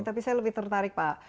tapi saya lebih tertarik pak